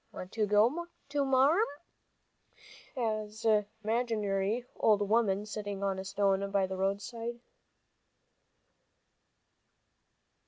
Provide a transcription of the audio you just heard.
Want to go, Marm?" an imaginary old woman sitting on a stone by the roadside.